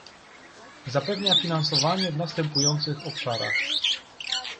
Zapewnia finansowanie w następujących obszarach